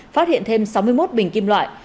phát hiện thêm sáu mươi một bình kim loại